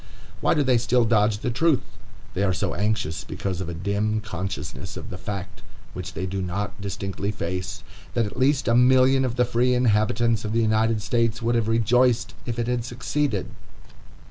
Why do they still dodge the truth? They are so anxious because of a dim consciousness of the fact, which they do not distinctly face, that at least a million of the free inhabitants of the United States would have rejoiced if it had succeeded.